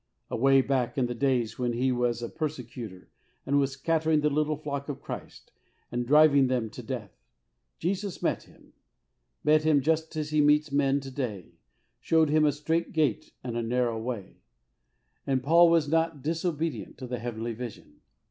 Away back in the days when he was a persecutor and was scattering the little flock of Christ, and driving them to death, Jesus met him — met him just as He meets men to day, showed him a "strait gate" and a "narrow way," 44 HEART TAT.KS ON HOLINESS. and Paul was "not disobedient to the heavenly vision.